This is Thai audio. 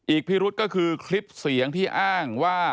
พิรุษก็คือคลิปเสียงที่อ้างว่า